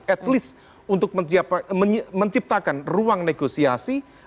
at least untuk menciptakan ruang negosiasi